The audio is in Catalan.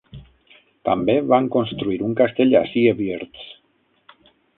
També van construir un castell a Siewierz.